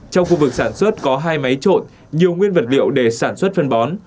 trong khu vực sản xuất có hai máy trộn nhiều nguyên vật liệu để sản xuất phân bón